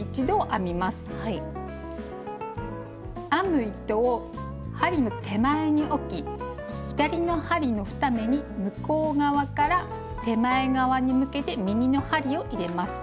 編む糸を針の手前に置き左の針の２目に向こう側から手前側に向けて右の針を入れます。